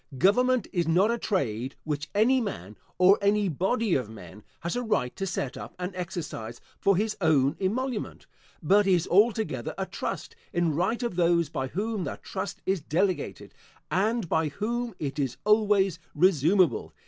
Government is not a trade which any man, or any body of men, has a right to set up and exercise for his own emolument, but is altogether a trust, in right of those by whom that trust is delegated, and by whom it is always resumeable.